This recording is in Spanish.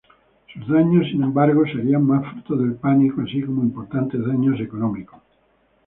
Sus daños sin embargo serían más fruto del pánico así como importantes daños económicos.